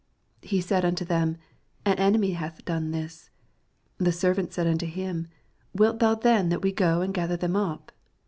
28 He said unto them, An enemy hath done this. The servants said unto him. Wilt thou then that we go and gather them up